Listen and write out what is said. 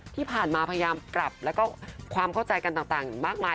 ที่ผ่านมาพยายามกลับแล้วก็ความเข้าใจกันต่างมากมาย